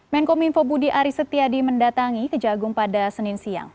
menkom info budi ari setiadi mendatangi ke jagung pada senin siang